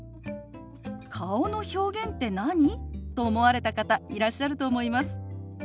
「顔の表現って何？」と思われた方いらっしゃると思います。